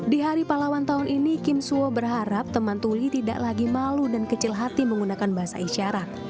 di hari pahlawan tahun ini kim suwo berharap teman tuli tidak lagi malu dan kecil hati menggunakan bahasa isyarat